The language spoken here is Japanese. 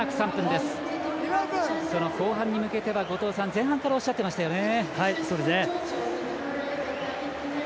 後半に向けては、後藤さん前半からおっしゃっていましたよね。